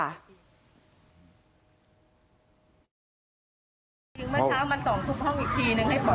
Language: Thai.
ขาเขาอยู่ใต้เตียงนอนสลบอยู่